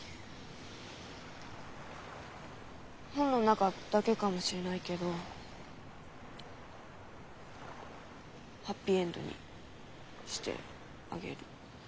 本の中だけかもしれないけどハッピーエンドにしてあげる。